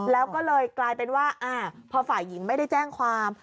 แล้วก็เลยกลายเป็นว่าพอฝ่ายหญิงไม่ได้แจ้งความ